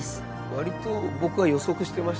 割と僕は予測してましたけどね。